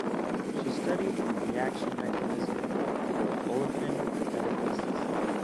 She studied the reaction mechanism for olefin metathesis.